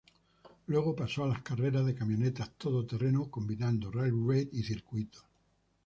Luego pasó a las carreras de camionetas todoterreno, combinando rally raid y circuitos.